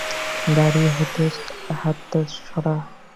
গাড়ি থেকে হাত সড়া।